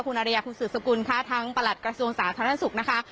คุณอริยะคุณศูนย์สกุลค่ะทั้งประหลัดกระทรวงศาสตร์ทางท่านศุกร์นะคะ